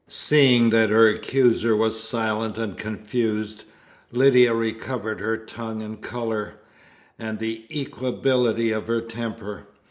Seeing that her accuser was silent and confused, Lydia recovered her tongue and colour, and the equability of her temper.